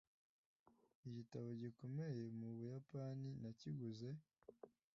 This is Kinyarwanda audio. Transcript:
igitabo gikomeye mu buyapani nakiguze